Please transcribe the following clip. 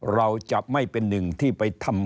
เราจะไม่เป็นหนึ่งที่ไปทำ